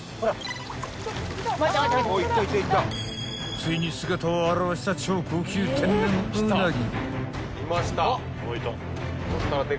［ついに姿を現した超高級天然ウナギ］